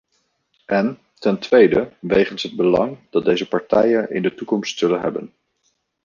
En, ten tweede, wegens het belang dat deze partijen in de toekomst zullen hebben.